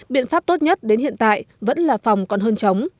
biện pháp tốt nhất đến hiện tại vẫn là phòng còn hơn chống